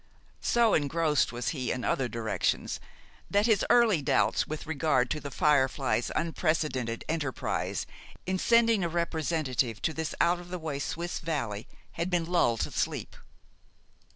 So engrossed was he in other directions that his early doubts with regard to "The Firefly's" unprecedented enterprise in sending a representative to this out of the way Swiss valley had been lulled to sleep.